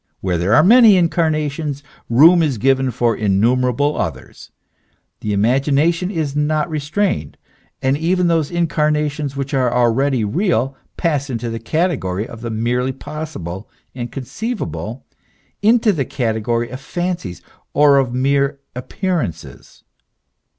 Where there are many incarnations, room is given for innumerable others ; the ima gination is not restrained ; and even those incarnations w T hich are already real pass into the category of the merely possible and conceivable, into the category of fancies, or of mere ap pearances.